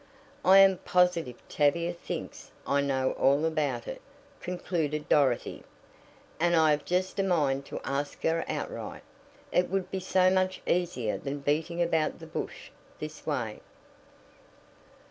"I am positive Tavia thinks I know all about it," concluded Dorothy, "and I have just a mind to ask her outright. It would be so much easier than beating about the bush this way."